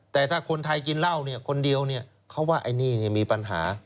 แต่ถ้าคนไทยกินเหล้าเนี่ยคนเดียวเขาว่าไอ้นี่มีปัญหา